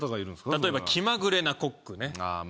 例えば気まぐれなコックねああーま